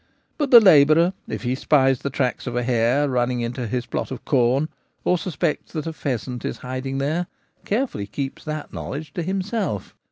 But the labourer, if he spies the tracks of a hare running into his plot of corn, or suspects that a pheasant is hiding there, carefully keeps that knowledge to himself.